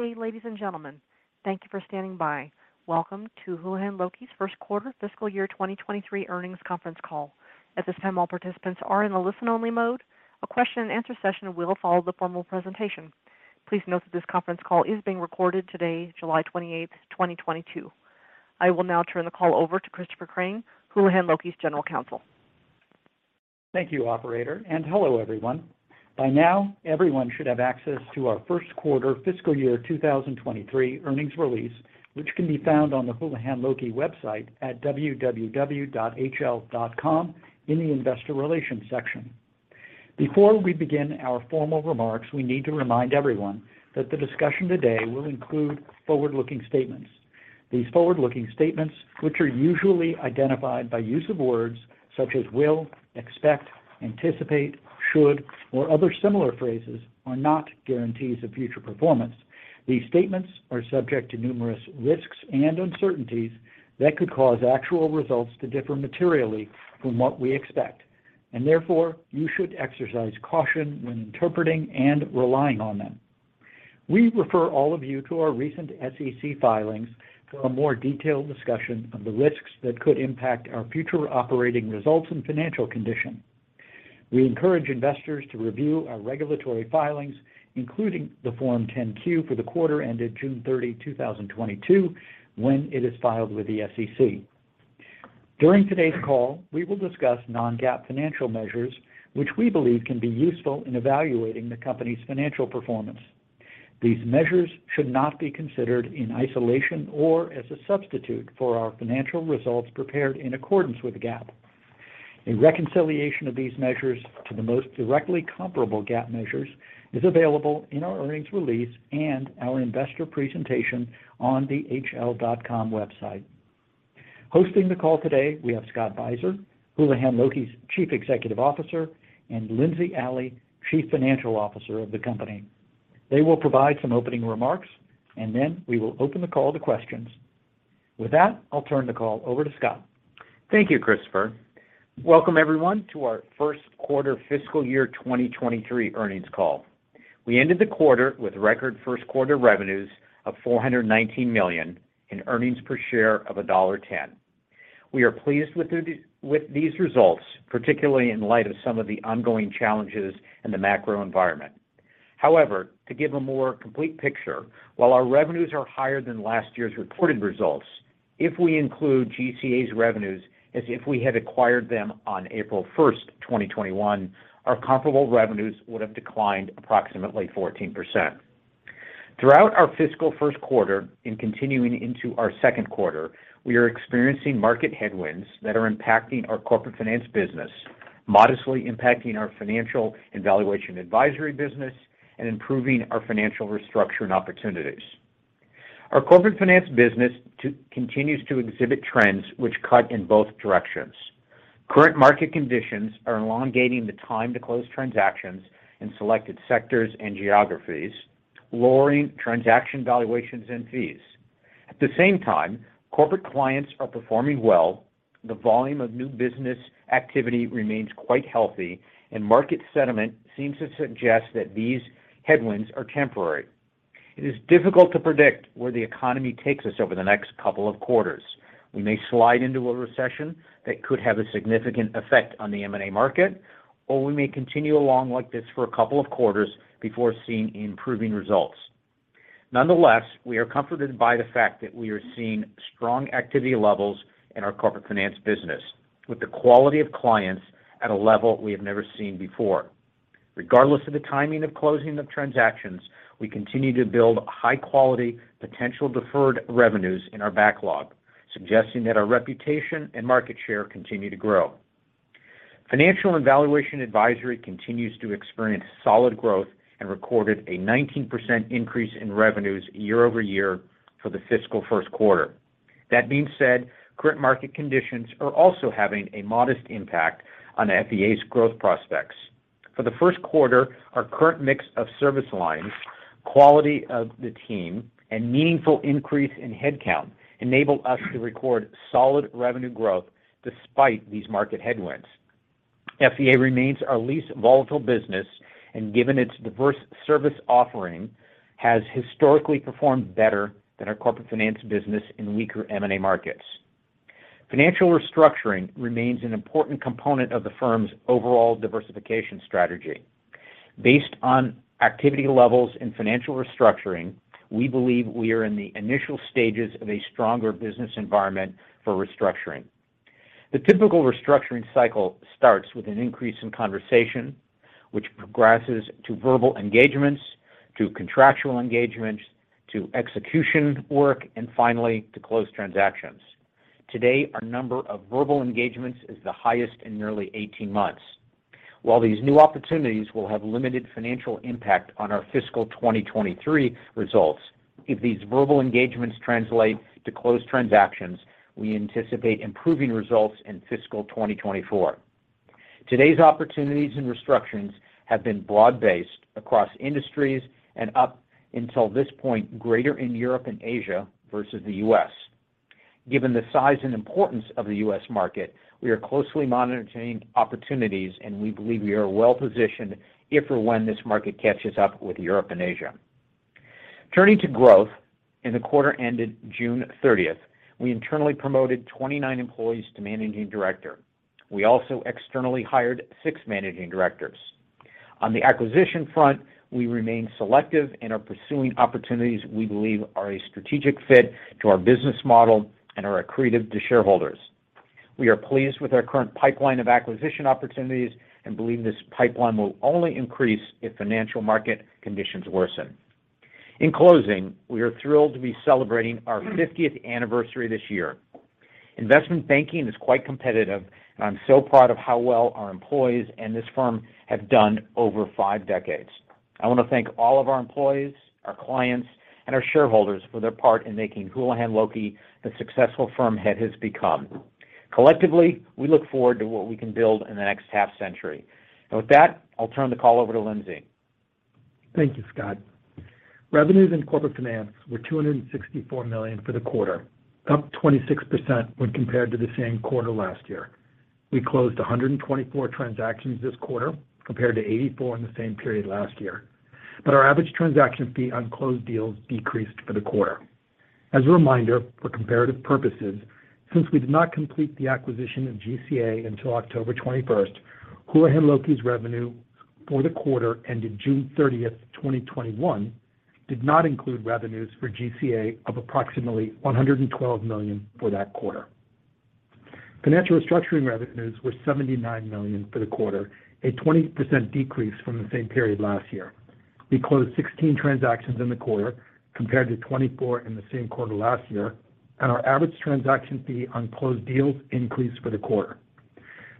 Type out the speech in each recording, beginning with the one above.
Good day, ladies and gentlemen. Thank you for standing by. Welcome to Houlihan Lokey's First Quarter Fiscal Year 2023 Earnings Conference Call. At this time, all participants are in a listen only mode. A Q&A session will follow the formal presentation. Please note that this conference call is being recorded today, July 28th, 2022. I will now turn the call over to Christopher Crain, Houlihan Lokey's General Counsel. Thank you, operator, and hello, everyone. By now, everyone should have access to our first quarter fiscal year 2023 earnings release, which can be found on the Houlihan Lokey website at www.hl.com in the investor relations section. Before we begin our formal remarks, we need to remind everyone that the discussion today will include forward-looking statements. These forward-looking statements, which are usually identified by use of words such as will, expect, anticipate, should, or other similar phrases, are not guarantees of future performance. These statements are subject to numerous risks and uncertainties that could cause actual results to differ materially from what we expect, and therefore you should exercise caution when interpreting and relying on them. We refer all of you to our recent SEC filings for a more detailed discussion of the risks that could impact our future operating results and financial condition. We encourage investors to review our regulatory filings, including the Form 10-Q for the quarter ended June 30, 2022, when it is filed with the SEC. During today's call, we will discuss non-GAAP financial measures, which we believe can be useful in evaluating the company's financial performance. These measures should not be considered in isolation or as a substitute for our financial results prepared in accordance with GAAP. A reconciliation of these measures to the most directly comparable GAAP measures is available in our earnings release and our investor presentation on the hl.com website. Hosting the call today, we have Scott Beiser, Houlihan Lokey's Chief Executive Officer, and Lindsey Alley, Chief Financial Officer of the company. They will provide some opening remarks, and then we will open the call to questions. With that, I'll turn the call over to Scott. Thank you, Christopher. Welcome, everyone, to our first quarter fiscal year 2023 earnings call. We ended the quarter with record first quarter revenues of $419 million and earnings per share of $1.10. We are pleased with these results, particularly in light of some of the ongoing challenges in the macro environment. However, to give a more complete picture, while our revenues are higher than last year's reported results, if we include GCA's revenues as if we had acquired them on April 1, 2021, our comparable revenues would have declined approximately 14%. Throughout our fiscal first quarter, continuing into our second quarter, we are experiencing market headwinds that are impacting our Corporate Finance business, modestly impacting our Financial and Valuation Advisory business, and improving our financial restructuring opportunities. Our Corporate Finance business continues to exhibit trends which cut in both directions. Current market conditions are elongating the time to close transactions in selected sectors and geographies, lowering transaction valuations and fees. At the same time, corporate clients are performing well, the volume of new business activity remains quite healthy, and market sentiment seems to suggest that these headwinds are temporary. It is difficult to predict where the economy takes us over the next couple of quarters. We may slide into a recession that could have a significant effect on the M&A market, or we may continue along like this for a couple of quarters before seeing improving results. Nonetheless, we are comforted by the fact that we are seeing strong activity levels in our Corporate Finance business with the quality of clients at a level we have never seen before. Regardless of the timing of closing of transactions, we continue to build high quality potential deferred revenues in our backlog, suggesting that our reputation and market share continue to grow. Financial and Valuation Advisory continues to experience solid growth and recorded a 19% increase in revenues year-over-year for the fiscal first quarter. That being said, current market conditions are also having a modest impact on FVA's growth prospects. For the first quarter, our current mix of service lines, quality of the team, and meaningful increase in headcount enabled us to record solid revenue growth despite these market headwinds. FVA remains our least volatile business and, given its diverse service offering, has historically performed better than our Corporate Finance business in weaker M&A markets. Financial Restructuring remains an important component of the firm's overall diversification strategy. Based on activity levels in Financial Restructuring, we believe we are in the initial stages of a stronger business environment for restructuring. The typical restructuring cycle starts with an increase in conversation, which progresses to verbal engagements, to contractual engagements, to execution work, and finally, to closed transactions. Today, our number of verbal engagements is the highest in nearly 18 months. While these new opportunities will have limited financial impact on our fiscal 2023 results, if these verbal engagements translate to closed transactions, we anticipate improving results in fiscal 2024. Today's opportunities and restructurings have been broad-based across industries and up until this point, greater in Europe and Asia versus the U.S. Given the size and importance of the U.S. market, we are closely monitoring opportunities, and we believe we are well-positioned if or when this market catches up with Europe and Asia. Turning to growth in the quarter ended June 30, we internally promoted 29 employees to managing director. We also externally hired six managing directors. On the acquisition front, we remain selective and are pursuing opportunities we believe are a strategic fit to our business model and are accretive to shareholders. We are pleased with our current pipeline of acquisition opportunities and believe this pipeline will only increase if financial market conditions worsen. In closing, we are thrilled to be celebrating our 50th anniversary this year. Investment banking is quite competitive, and I'm so proud of how well our employees and this firm have done over five decades. I want to thank all of our employees, our clients and our shareholders for their part in making Houlihan Lokey the successful firm it has become. Collectively, we look forward to what we can build in the next half-century. With that, I'll turn the call over to Lindsey. Thank you, Scott. Revenues in Corporate Finance were $264 million for the quarter, up 26% when compared to the same quarter last year. We closed 124 transactions this quarter, compared to 84 in the same period last year. Our average transaction fee on closed deals decreased for the quarter. As a reminder, for comparative purposes, since we did not complete the acquisition of GCA until October 21st, Houlihan Lokey's revenue for the quarter ended June 30th, 2021 did not include revenues for GCA of approximately $112 million for that quarter. Financial Restructuring revenues were $79 million for the quarter, a 20% decrease from the same period last year. We closed 16 transactions in the quarter, compared to 24 in the same quarter last year, and our average transaction fee on closed deals increased for the quarter.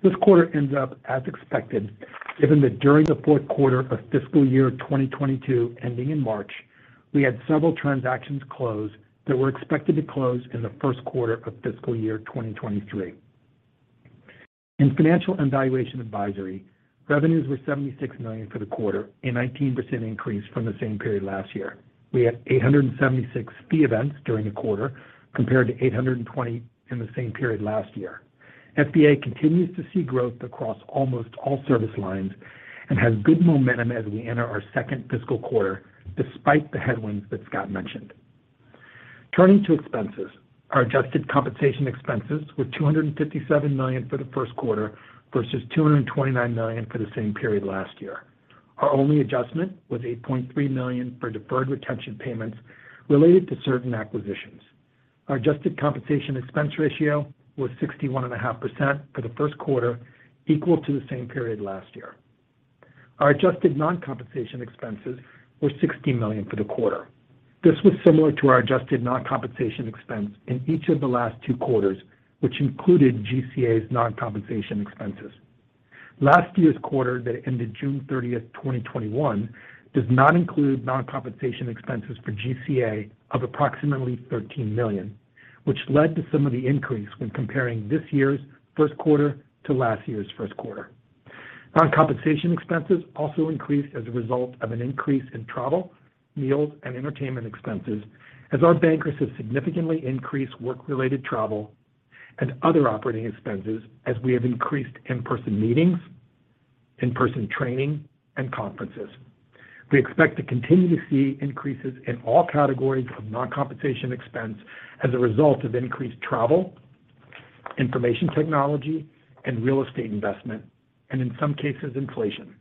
This quarter ends up as expected, given that during the fourth quarter of fiscal year 2022 ending in March, we had several transactions close that were expected to close in the first quarter of fiscal year 2023. In Financial and Valuation Advisory, revenues were $76 million for the quarter, a 19% increase from the same period last year. We had 876 fee events during the quarter, compared to 820 in the same period last year. FVA continues to see growth across almost all service lines and has good momentum as we enter our second fiscal quarter despite the headwinds that Scott mentioned. Turning to expenses, our adjusted compensation expenses were $257 million for the first quarter versus $229 million for the same period last year. Our only adjustment was $8.3 million for deferred retention payments related to certain acquisitions. Our adjusted compensation expense ratio was 61.5% for the first quarter, equal to the same period last year. Our adjusted non-compensation expenses were $16 million for the quarter. This was similar to our adjusted non-compensation expense in each of the last two quarters, which included GCA's non-compensation expenses. Last year's quarter that ended June 30, 2021 does not include non-compensation expenses for GCA of approximately $13 million, which led to some of the increase when comparing this year's first quarter to last year's first quarter. Non-compensation expenses also increased as a result of an increase in travel, meals, and entertainment expenses as our bankers have significantly increased work-related travel and other operating expenses as we have increased in-person meetings, in-person training, and conferences. We expect to continue to see increases in all categories of non-compensation expense as a result of increased travel, information technology, and real estate investment, and in some cases, inflation.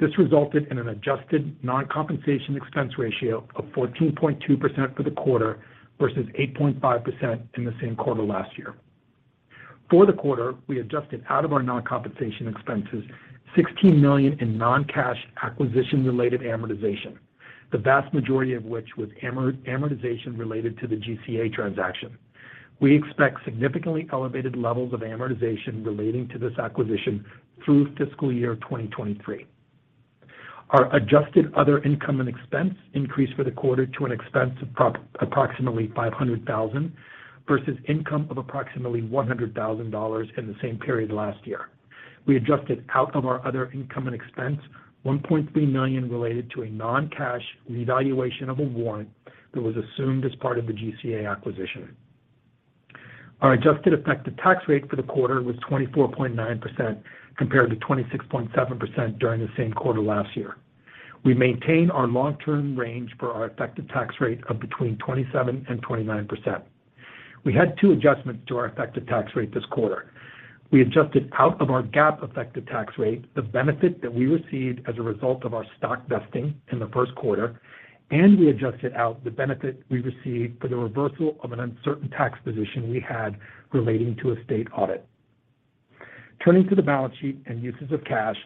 This resulted in an adjusted non-compensation expense ratio of 14.2% for the quarter versus 8.5% in the same quarter last year. For the quarter, we adjusted out of our non-compensation expenses $16 million in non-cash acquisition-related amortization, the vast majority of which was amortization related to the GCA transaction. We expect significantly elevated levels of amortization relating to this acquisition through fiscal year 2023. Our adjusted other income and expense increased for the quarter to an expense of approximately $500,000 versus income of approximately $100,000 in the same period last year. We adjusted out of our other income and expense $1.3 million related to a non-cash revaluation of a warrant that was assumed as part of the GCA acquisition. Our adjusted effective tax rate for the quarter was 24.9%, compared to 26.7% during the same quarter last year. We maintain our long-term range for our effective tax rate of between 27% and 29%. We had two adjustments to our effective tax rate this quarter. We adjusted out of our GAAP effective tax rate the benefit that we received as a result of our stock vesting in the first quarter, and we adjusted out the benefit we received for the reversal of an uncertain tax position we had relating to a state audit. Turning to the balance sheet and uses of cash,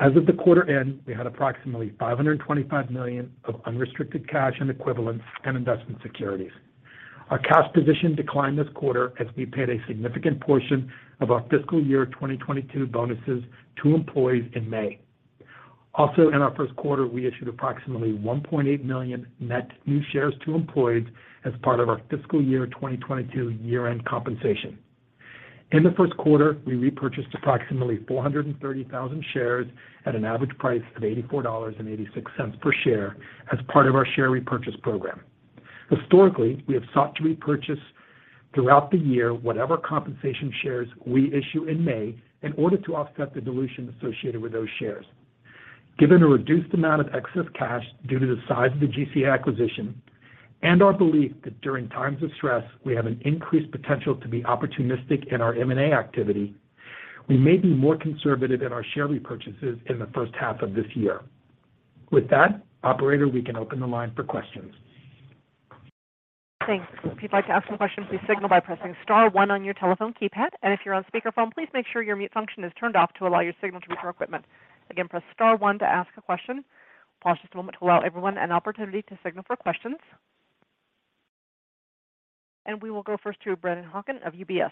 as of the quarter end, we had approximately $525 million of unrestricted cash and equivalents and investment securities. Our cash position declined this quarter as we paid a significant portion of our fiscal year 2022 bonuses to employees in May. Also, in our first quarter, we issued approximately 1.8 million net new shares to employees as part of our fiscal year 2022 year-end compensation. In the first quarter, we repurchased approximately 430,000 shares at an average price of $84.86 per share as part of our share repurchase program. Historically, we have sought to repurchase throughout the year whatever compensation shares we issue in May in order to offset the dilution associated with those shares. Given a reduced amount of excess cash due to the size of the GCA acquisition and our belief that during times of stress we have an increased potential to be opportunistic in our M&A activity, we may be more conservative in our share repurchases in the first half of this year. With that, operator, we can open the line for questions. Thanks. If you'd like to ask a question, please signal by pressing star one on your telephone keypad. If you're on speakerphone, please make sure your mute function is turned off to allow your signal to reach our equipment. Again, press star one to ask a question. Pause just a moment to allow everyone an opportunity to signal for questions. We will go first to Brennan Hawken of UBS.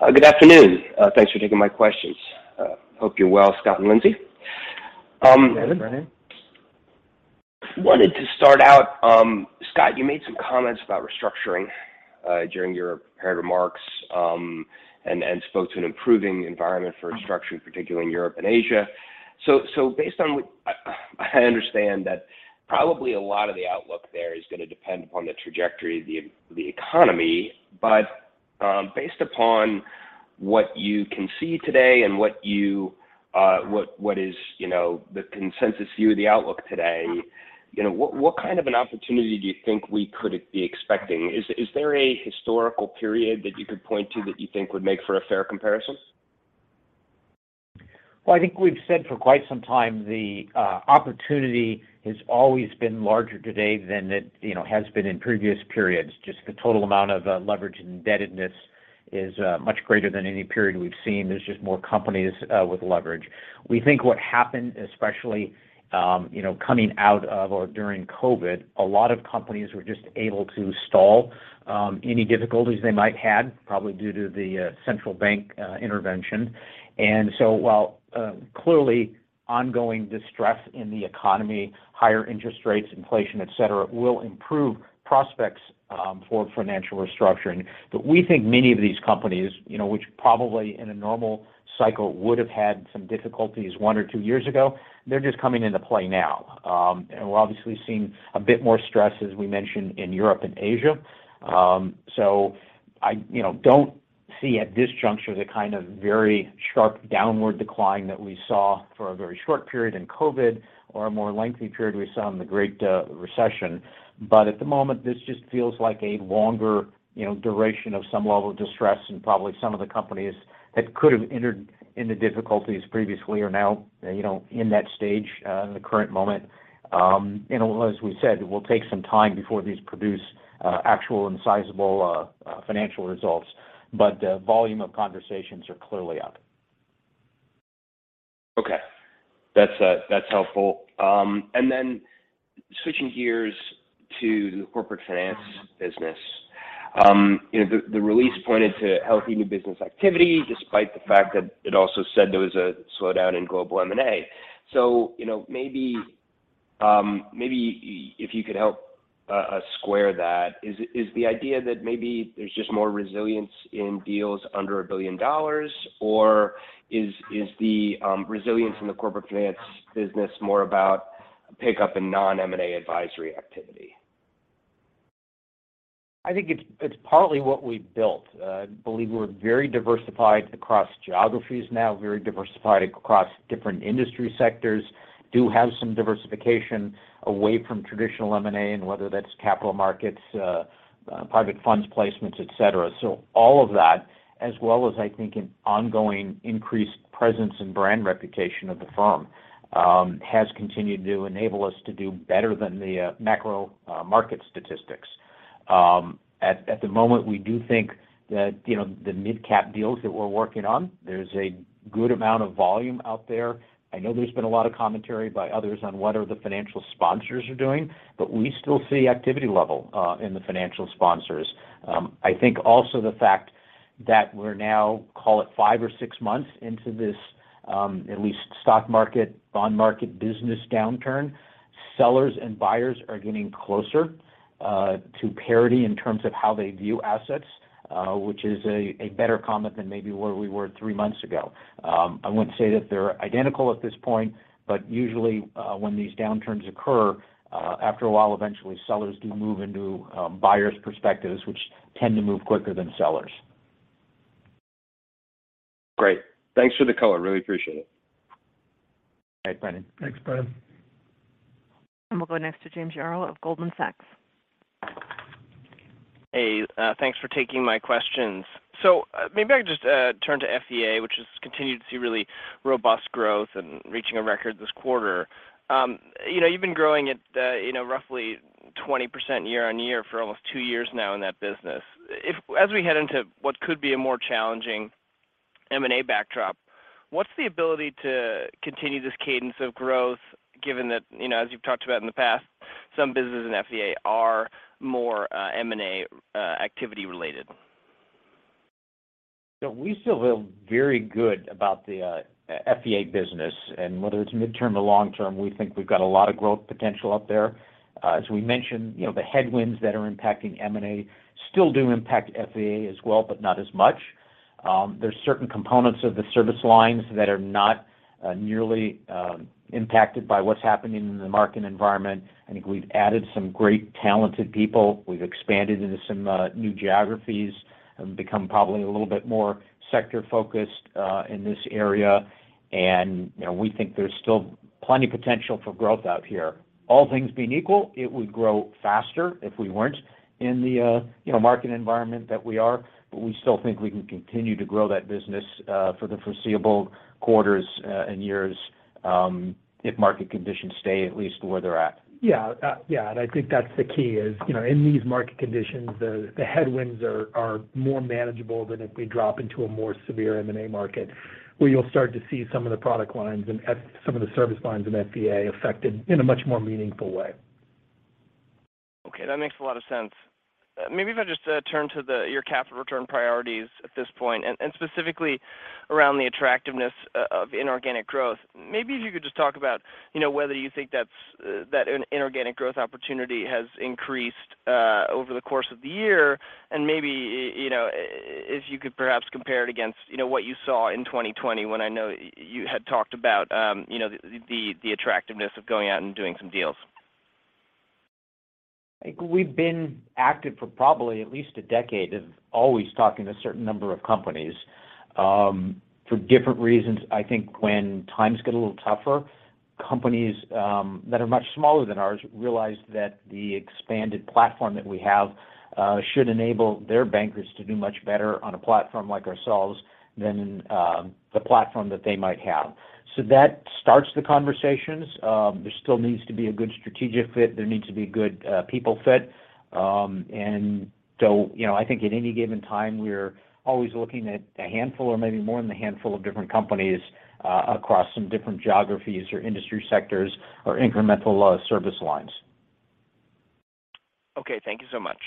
Good afternoon. Thanks for taking my questions. Hope you're well, Scott and Lindsey. Hi Brennan. Wanted to start out, Scott, you made some comments about restructuring during your prepared remarks, and spoke to an improving environment for restructuring, particularly in Europe and Asia. Based on what I understand, that probably a lot of the outlook there is gonna depend upon the trajectory of the economy, but based upon what you can see today and what is, you know, the consensus view of the outlook today, you know, what kind of an opportunity do you think we could be expecting? Is there a historical period that you could point to that you think would make for a fair comparison? Well, I think we've said for quite some time the opportunity has always been larger today than it, you know, has been in previous periods. Just the total amount of leverage and indebtedness is much greater than any period we've seen. There's just more companies with leverage. We think what happened, especially, you know, coming out of or during COVID, a lot of companies were just able to stall any difficulties they might had, probably due to the central bank intervention. While clearly ongoing distress in the economy, higher interest rates, inflation, et cetera, will improve prospects for financial restructuring. We think many of these companies, you know, which probably in a normal cycle would have had some difficulties one or two years ago, they're just coming into play now. We're obviously seeing a bit more stress, as we mentioned, in Europe and Asia. I, you know, don't see at this juncture the kind of very sharp downward decline that we saw for a very short period in COVID or a more lengthy period we saw in the Great Recession. At the moment, this just feels like a longer, you know, duration of some level of distress and probably some of the companies that could have entered into difficulties previously are now, you know, in that stage in the current moment. As we said, it will take some time before these produce actual and sizable financial results. The volume of conversations are clearly up. Okay. That's helpful. Switching gears to the Corporate Finance business. You know, the release pointed to healthy new business activity despite the fact that it also said there was a slowdown in global M&A. You know, maybe if you could help us square that. Is the idea that maybe there's just more resilience in deals under $1 billion, or is the resilience in the Corporate Finance business more about a pickup in non-M&A advisory activity? I think it's partly what we've built. I believe we're very diversified across geographies now, very diversified across different industry sectors. Do have some diversification away from traditional M&A and whether that's capital markets, private funds placements, et cetera. All of that, as well as I think an ongoing increased presence and brand reputation of the firm, has continued to enable us to do better than the macro market statistics. At the moment, we do think that, you know, the midcap deals that we're working on, there's a good amount of volume out there. I know there's been a lot of commentary by others on what the financial sponsors are doing, but we still see activity level in the financial sponsors. I think also the fact that we're now, call it five or six months into this, at least stock market, bond market business downturn. Sellers and buyers are getting closer to parity in terms of how they view assets, which is a better comment than maybe where we were three months ago. I wouldn't say that they're identical at this point, but usually, when these downturns occur, after a while, eventually sellers do move into buyers' perspectives, which tend to move quicker than sellers. Great. Thanks for the color. Really appreciate it. All right, Brennan. Thanks, Brennan. We'll go next to James Yaro of Goldman Sachs. Hey, thanks for taking my questions. Maybe I could just turn to FVA, which has continued to see really robust growth and reaching a record this quarter. You know, you've been growing at, you know, roughly 20% year-over-year for almost two years now in that business. As we head into what could be a more challenging M&A backdrop, what's the ability to continue this cadence of growth given that, you know, as you've talked about in the past, some businesses in FVA are more M&A activity related? We still feel very good about the FVA business, and whether it's midterm or long-term, we think we've got a lot of growth potential up there. As we mentioned, you know, the headwinds that are impacting M&A still do impact FVA as well, but not as much. There's certain components of the service lines that are not nearly impacted by what's happening in the market environment. I think we've added some great talented people. We've expanded into some new geographies and become probably a little bit more sector-focused in this area. You know, we think there's still plenty potential for growth out here. All things being equal, it would grow faster if we weren't in the market environment that we are. We still think we can continue to grow that business for the foreseeable quarters and years if market conditions stay at least where they're at. Yeah. Yeah, I think that's the key is, you know, in these market conditions, the headwinds are more manageable than if we drop into a more severe M&A market, where you'll start to see some of the product lines and some of the service lines in FVA affected in a much more meaningful way. Okay, that makes a lot of sense. Maybe if I just turn to your capital return priorities at this point, and specifically around the attractiveness of inorganic growth. Maybe if you could just talk about, you know, whether you think that inorganic growth opportunity has increased over the course of the year. Maybe you know, if you could perhaps compare it against, you know, what you saw in 2020 when I know you had talked about, you know, the attractiveness of going out and doing some deals. I think we've been active for probably at least a decade of always talking to a certain number of companies, for different reasons. I think when times get a little tougher, companies, that are much smaller than ours realize that the expanded platform that we have, should enable their bankers to do much better on a platform like ourselves than, the platform that they might have. That starts the conversations. There still needs to be a good strategic fit. There needs to be a good, people fit. You know, I think at any given time, we're always looking at a handful or maybe more than a handful of different companies, across some different geographies or industry sectors or incremental service lines. Okay, thank you so much.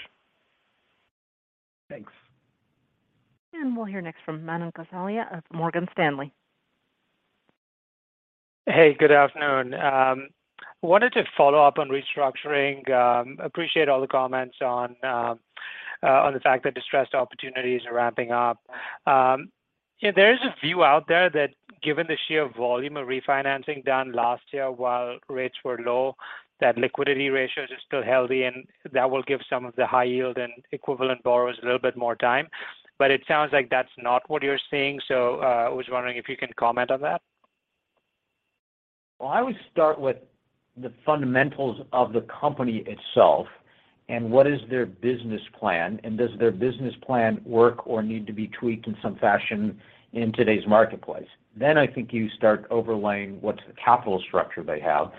Thanks. We'll hear next from Manan Gosalia of Morgan Stanley. Hey, good afternoon. Wanted to follow up on restructuring. Appreciate all the comments on the fact that distressed opportunities are ramping up. You know, there is a view out there that given the sheer volume of refinancing done last year while rates were low, that liquidity ratios are still healthy, and that will give some of the high yield and equivalent borrowers a little bit more time. It sounds like that's not what you're seeing. I was wondering if you can comment on that. Well, I always start with the fundamentals of the company itself and what is their business plan, and does their business plan work or need to be tweaked in some fashion in today's marketplace? I think you start overlaying what's the capital structure they have.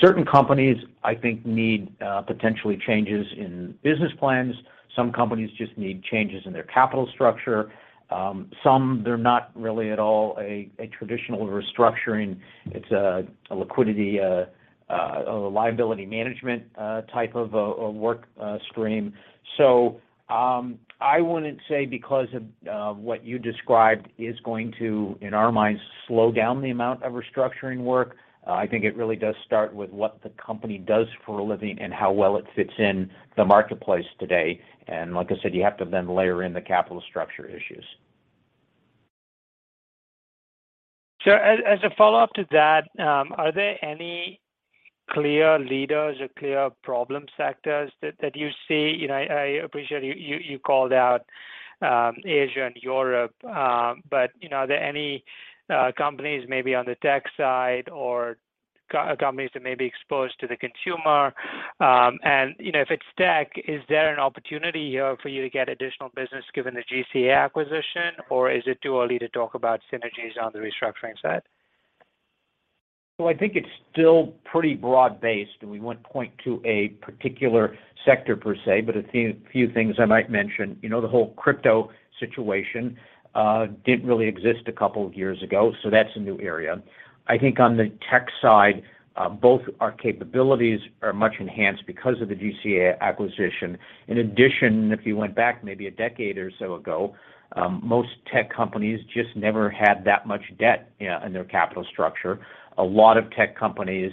Certain companies, I think, need potentially changes in business plans. Some companies just need changes in their capital structure. Some, they're not really at all a traditional restructuring. It's a liquidity, a liability management, type of a work stream. I wouldn't say because of what you described is going to, in our minds, slow down the amount of restructuring work. I think it really does start with what the company does for a living and how well it fits in the marketplace today. Like I said, you have to then layer in the capital structure issues. As a follow-up to that, are there any clear leaders or clear problem sectors that you see? You know, I appreciate you called out Asia and Europe, but you know, are there any companies maybe on the tech side or consumer companies that may be exposed to the consumer? You know, if it's tech, is there an opportunity here for you to get additional business given the GCA acquisition, or is it too early to talk about synergies on the restructuring side? I think it's still pretty broad-based, and we wouldn't point to a particular sector per se, but a few things I might mention. You know, the whole crypto situation didn't really exist a couple of years ago, so that's a new area. I think on the tech side, both our capabilities are much enhanced because of the GCA acquisition. In addition, if you went back maybe a decade or so ago, most tech companies just never had that much debt, you know, in their capital structure. A lot of tech companies,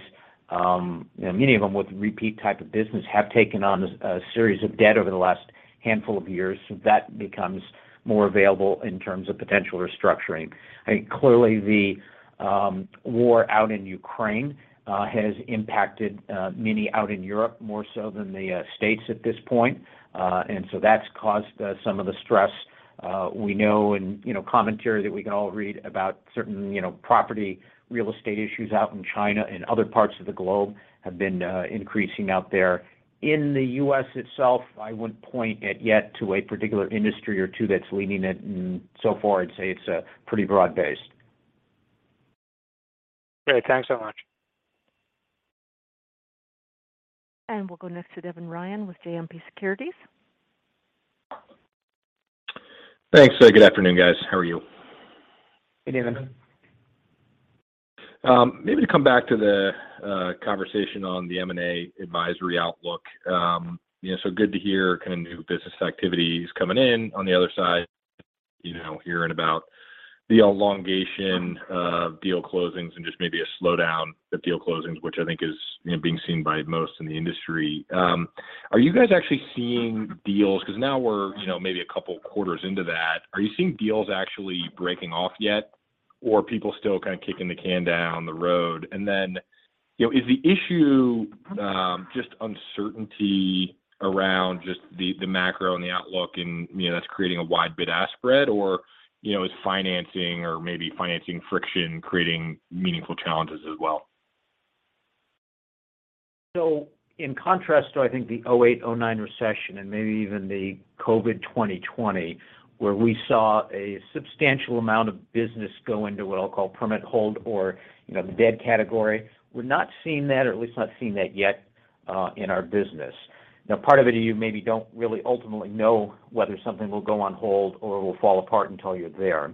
you know, many of them with repeat type of business, have taken on a series of debt over the last handful of years. That becomes more available in terms of potential restructuring. I think clearly the war out in Ukraine has impacted many out in Europe more so than the States at this point. That's caused some of the stress. We know and, you know, commentary that we can all read about certain, you know, property real estate issues out in China and other parts of the globe have been increasing out there. In the U.S. itself, I wouldn't point it yet to a particular industry or two that's leading it. So far I'd say it's pretty broad-based. Great. Thanks so much. We'll go next to Devin Ryan with JMP Securities. Thanks. Good afternoon, guys. How are you? Hey, Devin. Maybe to come back to the conversation on the M&A advisory outlook. You know, so good to hear kind of new business activities coming in. On the other side, you know, hearing about the elongation of deal closings and just maybe a slowdown of deal closings, which I think is, you know, being seen by most in the industry. Are you guys actually seeing deals? 'Cause now we're, you know, maybe a couple quarters into that, are you seeing deals actually breaking off yet, or are people still kind of kicking the can down the road? You know, is the issue just uncertainty around just the macro and the outlook and, you know, that's creating a wide bid-ask spread? Or, you know, is financing or maybe financing friction creating meaningful challenges as well? In contrast to, I think, the 2008, 2009 recession and maybe even the COVID 2020, where we saw a substantial amount of business go into what I'll call perma hold or, you know, the dead category, we're not seeing that, or at least not seeing that yet, in our business. Now, part of it is you maybe don't really ultimately know whether something will go on hold or will fall apart until you're there.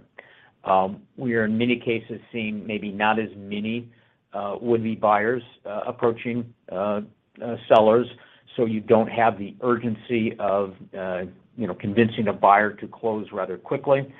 We are in many cases seeing maybe not as many would-be buyers approaching sellers, so you don't have the urgency of, you know, convincing a buyer to close rather quickly.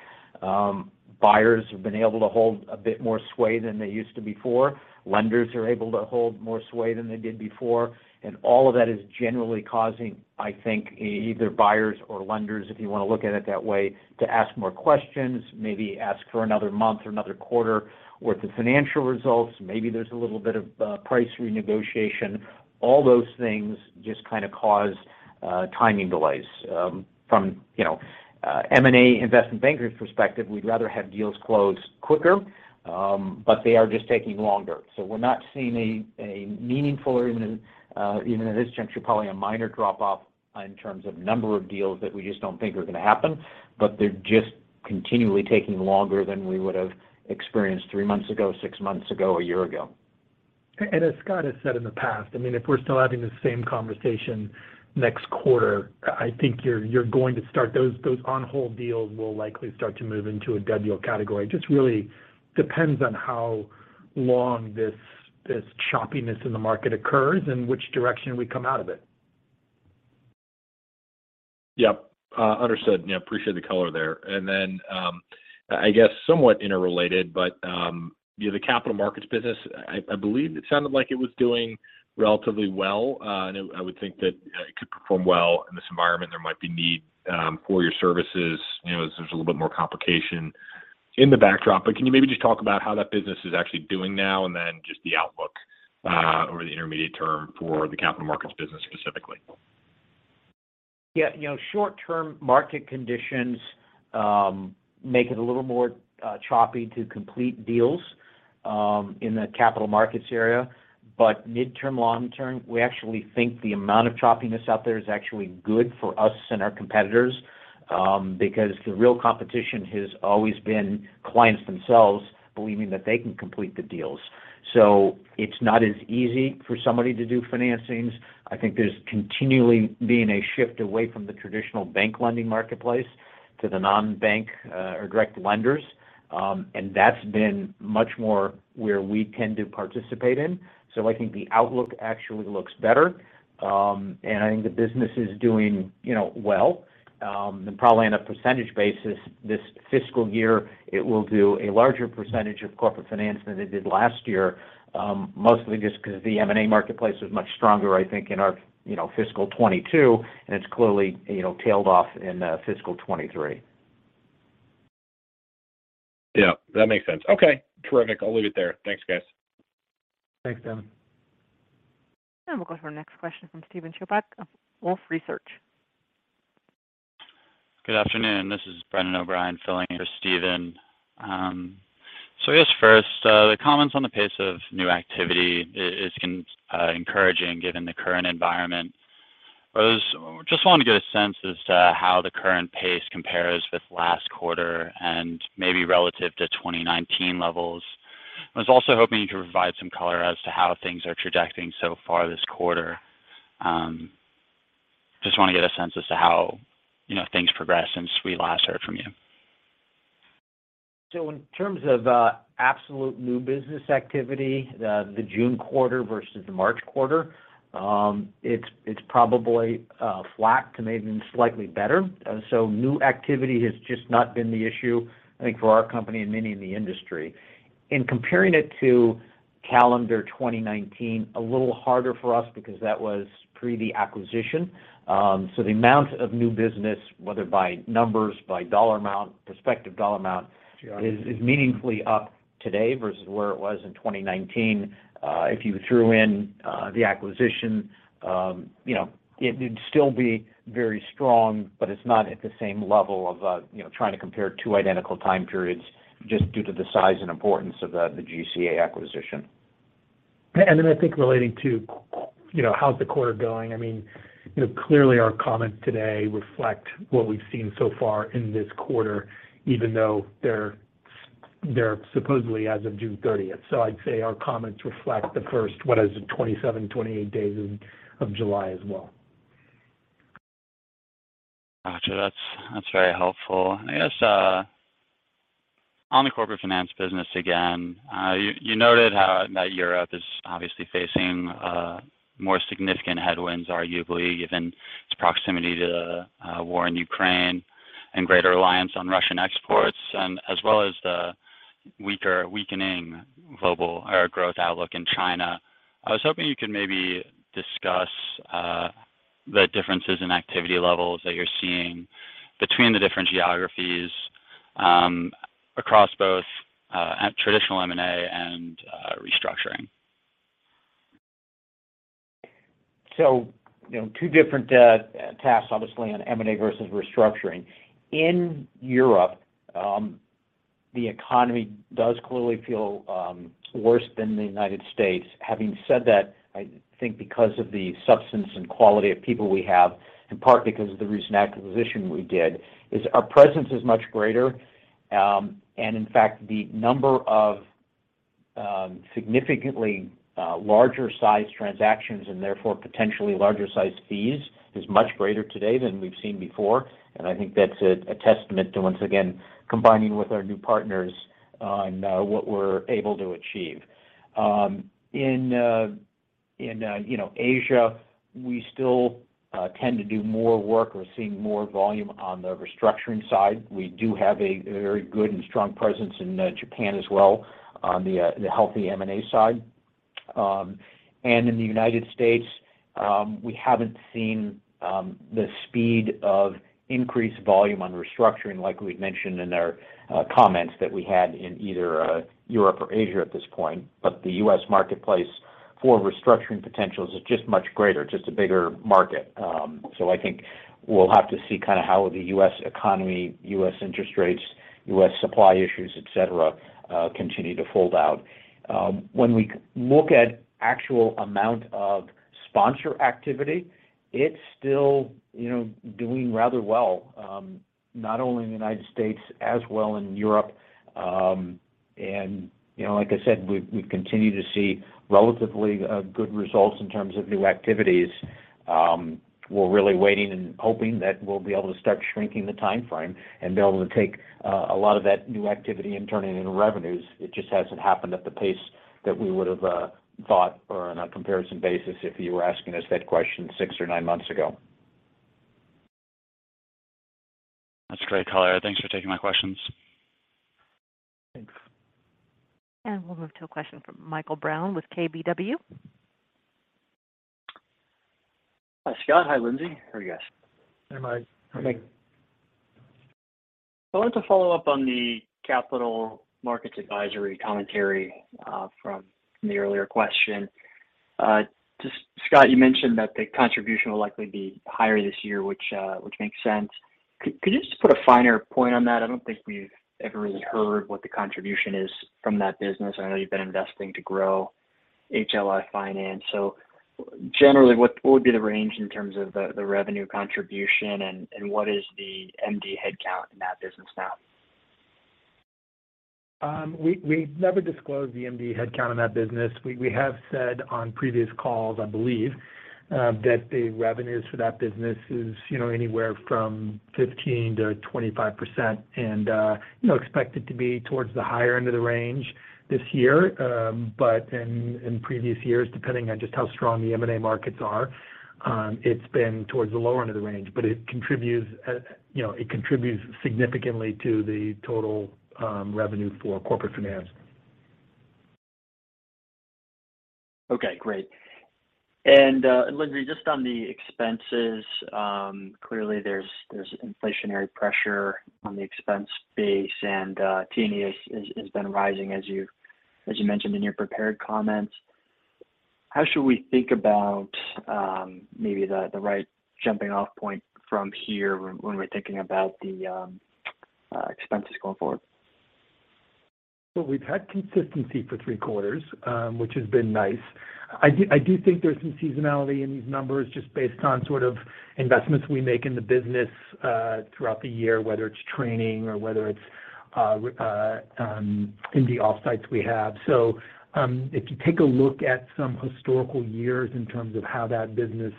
Buyers have been able to hold a bit more sway than they used to before. Lenders are able to hold more sway than they did before. All of that is generally causing, I think, either buyers or lenders, if you wanna look at it that way, to ask more questions, maybe ask for another month or another quarter worth of financial results. Maybe there's a little bit of price renegotiation. All those things just kind of cause timing delays. From, you know, M&A investment bankers' perspective, we'd rather have deals close quicker, but they are just taking longer. We're not seeing a meaningful or even in this juncture, probably a minor drop-off in terms of number of deals that we just don't think are gonna happen, but they're just continually taking longer than we would've experienced three months ago, six months ago, a year ago. As Scott has said in the past, I mean, if we're still having the same conversation next quarter, I think you're going to start. Those on-hold deals will likely start to move into a dead deal category. Just really depends on how long this choppiness in the market occurs and which direction we come out of it. Yep. Understood. Yeah, appreciate the color there. I guess somewhat interrelated, but you know, the capital markets business, I believe it sounded like it was doing relatively well. I would think that it could perform well in this environment. There might be need for your services, you know, as there's a little bit more complication in the backdrop. Can you maybe just talk about how that business is actually doing now, and then just the outlook over the intermediate term for the capital markets business specifically? Yeah. You know, short-term market conditions make it a little more choppy to complete deals in the capital markets area. Mid-term, long-term, we actually think the amount of choppiness out there is actually good for us and our competitors because the real competition has always been clients themselves believing that they can complete the deals. It's not as easy for somebody to do financings. I think there's continually been a shift away from the traditional bank lending marketplace to the non-bank or direct lenders. That's been much more where we tend to participate in. I think the outlook actually looks better. I think the business is doing, you know, well. Probably on a percentage basis this fiscal year, it will do a larger percentage of Corporate Finance than it did last year, mostly just 'cause the M&A marketplace was much stronger, I think, in our, you know, fiscal 2022, and it's clearly, you know, tailed off in fiscal 2023. Yeah. That makes sense. Okay. Terrific. I'll leave it there. Thanks, guys. Thanks, Devin. We'll go to our next question from Steven Chubak of Wolfe Research. Good afternoon. This is Brendan O'Brien filling in for Steven. I guess first, the comments on the pace of new activity is encouraging given the current environment. I was just wanting to get a sense as to how the current pace compares with last quarter and maybe relative to 2019 levels. I was also hoping you could provide some color as to how things are tracking so far this quarter. Just wanna get a sense as to how, you know, things progressed since we last heard from you. In terms of absolute new business activity, the June quarter versus the March quarter, it's probably flat to maybe even slightly better. New activity has just not been the issue, I think, for our company and many in the industry. In comparing it to calendar 2019, a little harder for us because that was pre the acquisition. The amount of new business, whether by numbers, by dollar amount, prospective dollar amount, is meaningfully up today versus where it was in 2019. If you threw in the acquisition, you know, it would still be very strong, but it's not at the same level of you know, trying to compare two identical time periods just due to the size and importance of the GCA acquisition. I think relating to, you know, how's the quarter going. I mean, you know, clearly our comments today reflect what we've seen so far in this quarter, even though they're supposedly as of June 30th. I'd say our comments reflect the first, what is it, 27, 28 days of July as well. Roger, that's very helpful. I guess on the Corporate Finance business again, you noted how Europe is obviously facing more significant headwinds, arguably, given its proximity to the war in Ukraine and greater reliance on Russian exports, and as well as the weakening global growth outlook in China. I was hoping you could maybe discuss the differences in activity levels that you're seeing between the different geographies across both traditional M&A and restructuring. You know, two different tasks, obviously, on M&A versus restructuring. In Europe, the economy does clearly feel worse than the United States. Having said that, I think because of the substance and quality of people we have, in part because of the recent acquisition we did, our presence is much greater. In fact, the number of significantly larger-sized transactions, and therefore potentially larger sized fees, is much greater today than we've seen before. I think that's a testament to, once again, combining with our new partners on what we're able to achieve. In you know, Asia, we still tend to do more work. We're seeing more volume on the restructuring side. We do have a very good and strong presence in Japan as well on the healthy M&A side. In the United States, we haven't seen the speed of increased volume on restructuring, like we'd mentioned in our comments that we had in either Europe or Asia at this point. The U.S. marketplace for restructuring potentials is just much greater, just a bigger market. I think we'll have to see kinda how the U.S. economy, U.S. interest rates, U.S. supply issues, et cetera, continue to play out. When we look at actual amount of sponsor activity, it's still, you know, doing rather well, not only in the United States, as well in Europe. You know, like I said, we continue to see relatively good results in terms of new activities. We're really waiting and hoping that we'll be able to start shrinking the timeframe and be able to take a lot of that new activity and turn it into revenues. It just hasn't happened at the pace that we would've thought or on a comparison basis if you were asking us that question six or nine months ago. That's great color. Thanks for taking my questions. Thanks. We'll move to a question from Michael Brown with KBW. Hi, Scott. Hi, Lindsey. How are you guys? Hi, Mike. How are you? I wanted to follow up on the capital markets advisory commentary from the earlier question. Just Scott, you mentioned that the contribution will likely be higher this year, which makes sense. Could you just put a finer point on that? I don't think we've ever really heard what the contribution is from that business. I know you've been investing to grow HLI Finance. Generally, what would be the range in terms of the revenue contribution, and what is the MD headcount in that business now? We never disclose the MD headcount in that business. We have said on previous calls, I believe, that the revenues for that business is, you know, anywhere from 15%-25%. You know, expect it to be towards the higher end of the range this year. In previous years, depending on just how strong the M&A markets are, it's been towards the lower end of the range. It contributes, you know, significantly to the total revenue for Corporate Finance. Okay, great. Lindsey, just on the expenses, clearly there's inflationary pressure on the expense base, and T&E has been rising, as you mentioned in your prepared comments. How should we think about maybe the right jumping off point from here when we're thinking about the expenses going forward? Well, we've had consistency for three quarters, which has been nice. I do think there's some seasonality in these numbers just based on sort of investments we make in the business throughout the year, whether it's training or in the offsites we have. If you take a look at some historical years in terms of how that business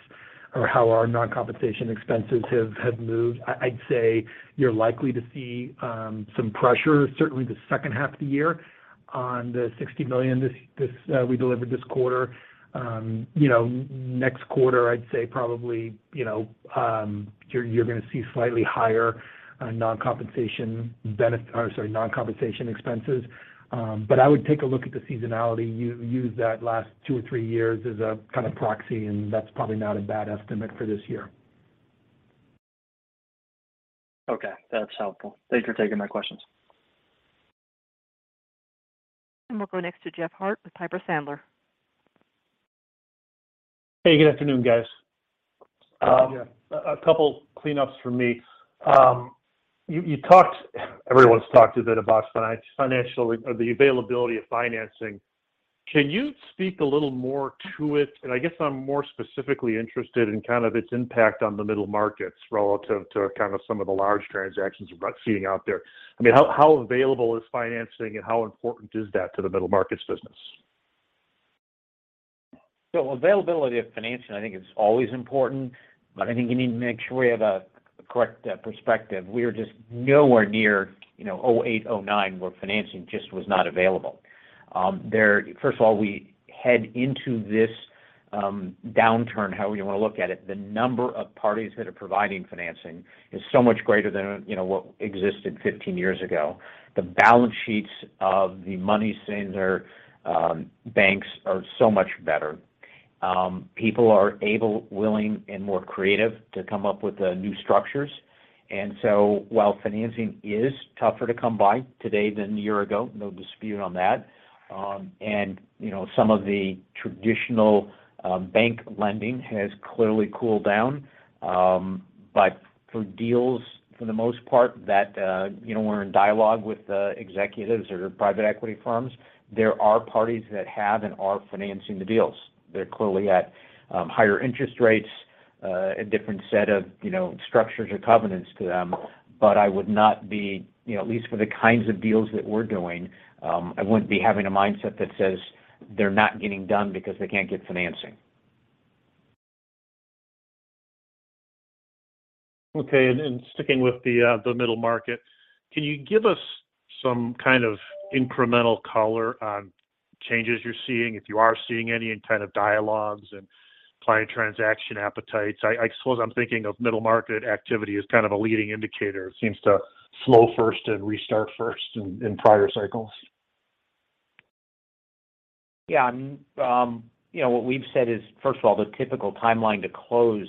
or how our non-compensation expenses have moved, I'd say you're likely to see some pressure, certainly the second half of the year on the $60 million we delivered this quarter. You know, next quarter, I'd say probably, you know, you're gonna see slightly higher non-compensation expenses. But I would take a look at the seasonality. Use that last two or three years as a kinda proxy, and that's probably not a bad estimate for this year. Okay, that's helpful. Thanks for taking my questions. We'll go next to Jeff Harte with Piper Sandler. Hey, good afternoon, guys. A couple cleanups for me. You talked, everyone's talked a bit about financing or the availability of financing. Can you speak a little more to it? I guess I'm more specifically interested in kind of its impact on the middle markets relative to kind of some of the large transactions we're seeing out there. I mean, how available is financing, and how important is that to the middle markets business? Availability of financing I think is always important, but I think you need to make sure we have a correct perspective. We are just nowhere near, you know, 2008, 2009, where financing just was not available. First of all, we head into this downturn, however you wanna look at it, the number of parties that are providing financing is so much greater than, you know, what existed 15 years ago. The balance sheets of the money center banks are so much better. People are able, willing, and more creative to come up with new structures. And so while financing is tougher to come by today than a year ago, no dispute on that, and, you know, some of the traditional bank lending has clearly cooled down. For deals, for the most part, that we're in dialogue with executives or private equity firms, there are parties that have and are financing the deals. They're clearly at higher interest rates, a different set of, you know, structures or covenants to them. I would not be, you know, at least for the kinds of deals that we're doing, I wouldn't be having a mindset that says they're not getting done because they can't get financing. Okay. Sticking with the middle market, can you give us some kind of incremental color on changes you're seeing, if you are seeing any, in kind of dialogues and client transaction appetites? I suppose I'm thinking of middle market activity as kind of a leading indicator. It seems to slow first and restart first in prior cycles. Yeah. You know, what we've said is, first of all, the typical timeline to close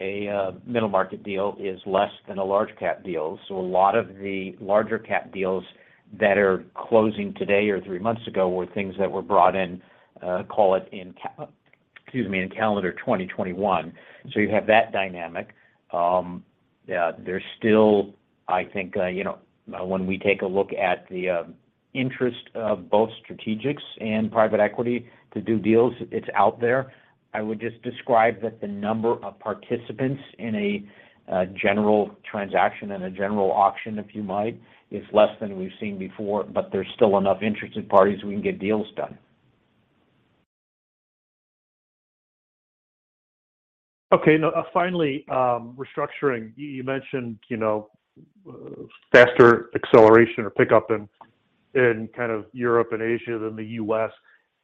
a middle market deal is less than a large cap deal. A lot of the larger cap deals that are closing today or three months ago were things that were brought in, call it in calendar 2021. You have that dynamic. Yeah, there's still I think, you know, when we take a look at the interest of both strategics and private equity to do deals, it's out there. I would just describe that the number of participants in a general transaction and a general auction, if you might, is less than we've seen before, but there's still enough interested parties we can get deals done. Okay. Now, finally, restructuring. You mentioned, you know, faster acceleration or pickup in kind of Europe and Asia than the U.S.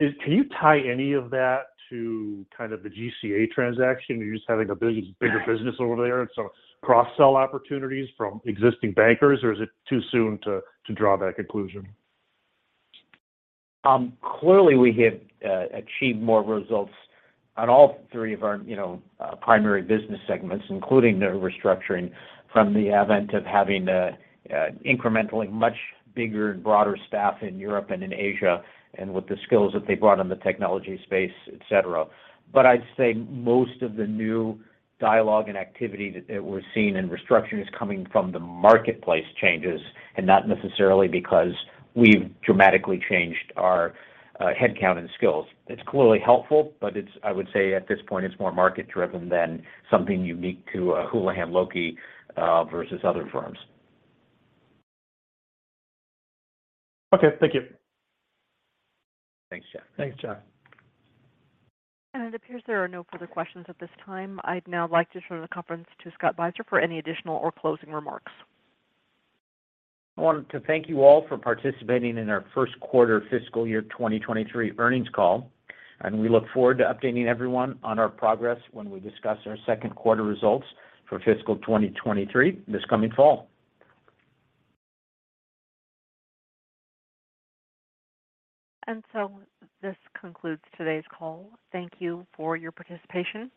Can you tie any of that to kind of the GCA transaction? Are you just having a big, bigger business over there and some cross-sell opportunities from existing bankers, or is it too soon to draw that conclusion? Clearly we have achieved more results on all three of our, you know, primary business segments, including the restructuring from the event of having a incrementally much bigger and broader staff in Europe and in Asia, and with the skills that they brought on the technology space, et cetera. I'd say most of the new dialogue and activity that we're seeing in restructuring is coming from the marketplace changes and not necessarily because we've dramatically changed our headcount and skills. It's clearly helpful, but I would say at this point it's more market-driven than something unique to Houlihan Lokey versus other firms. Okay. Thank you. Thanks, Jeff. Thanks, Jeff. It appears there are no further questions at this time. I'd now like to turn the conference to Scott Beiser for any additional or closing remarks. I want to thank you all for participating in our first quarter fiscal year 2023 earnings call, and we look forward to updating everyone on our progress when we discuss our second quarter results for fiscal 2023 this coming fall. This concludes today's call. Thank you for your participation.